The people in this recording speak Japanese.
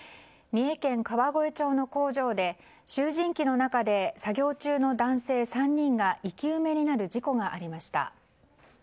三重県川越町の工場で集じん機の中で作業中の男性３人が生き埋めになる事故がありました。